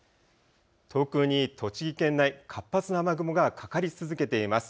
特に栃木県内、活発な雨雲がかかり続けています。